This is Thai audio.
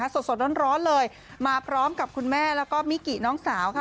สดร้อนเลยมาพร้อมกับคุณแม่แล้วก็มิกิน้องสาวค่ะ